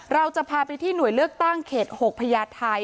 เราจะพาไปที่หน่วยเลือกตั้งเขต๖พญาไทย